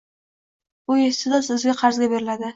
Bu iste’dod sizga qarzga beriladi.